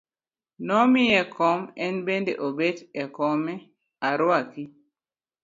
Nomiye kom en bende obet e kome, aruaki.